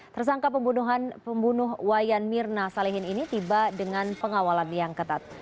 tersangka pembunuhan pembunuh wayan mirna salengin ini tiba dengan pengawalan yang ketat